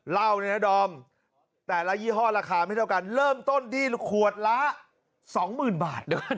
เหล้าเนี่ยนะดอมแต่ละยี่ห้อราคาไม่เท่ากันเริ่มต้นที่ขวดละ๒๐๐๐บาทด้วยกัน